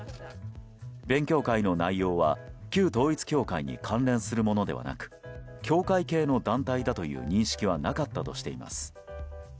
勉強会の内容は旧統一教会に関連するものではなく教会系の団体だという認識はなかったとしています。